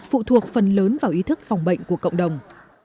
phụ thuộc phần lớn vào ý thức phòng bệnh của cộng đồng